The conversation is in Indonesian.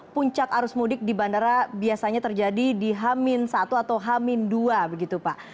puncak arus mudik di bandara biasanya terjadi di h satu atau h dua begitu pak